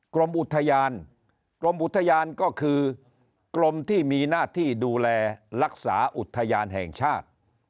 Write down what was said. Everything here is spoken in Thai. กรมอุทยานกรมอุทยานก็คือกรมที่มีหน้าที่ดูแลรักษาอุทยานแห่งชาติ